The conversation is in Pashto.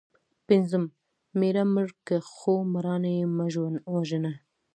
پنځم:مېړه مړ که خو مړانه یې مه وژنه